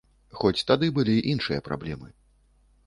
Хоць тады былі іншыя праблемы.